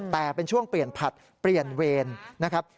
แต่เป็นช่วงเปลี่ยนผัดเปลี่ยนเวรนะครับ